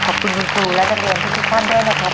ขอบคุณคุณครูและท่านเรียนที่ที่ข้ามด้วยนะครับ